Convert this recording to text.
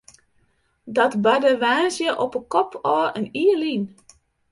Dat barde woansdei op 'e kop ôf in jier lyn.